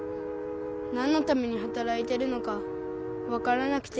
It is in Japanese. なんのためにはたらいてるのかわからなくて。